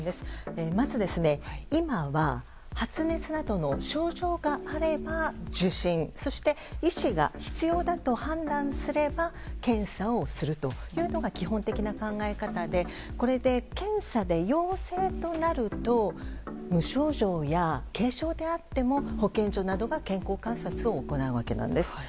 まず今は発熱などの症状があれば受診、医師が必要だと判断すれば検査をするというのが基本的な考え方でこれで検査で陽性となると無症状や軽症であっても保健所などが健康観察を行うわけなんです。